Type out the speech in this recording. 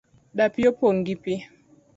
Dapii opong' gi pii